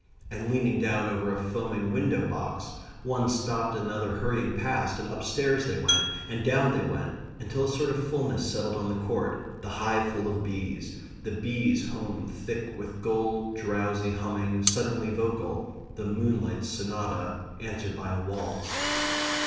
And leaning down over a foaming window box, one stopped another hurrying past, and upstairs they went and down they went, until a sort of fulness settled on the court, the hive full of bees, the bees home thick with gold, drowsy, humming, suddenly vocal; the Moonlight Sonata answered by a waltz.